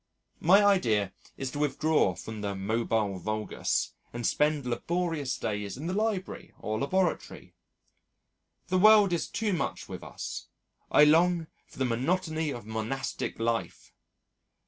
My idea is to withdraw from the mobile vulgus and spend laborious days in the library or laboratory. The world is too much with us. I long for the monotony of monastic life!